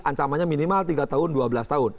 ancamannya minimal tiga tahun dua belas tahun